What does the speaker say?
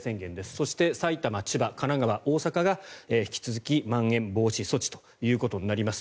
そして埼玉、千葉、神奈川大阪が引き続きまん延防止措置ということになります。